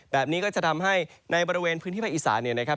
แบบนี้ก็จะทำให้ในบริเวณพื้นที่ภาคอีสานเนี่ยนะครับ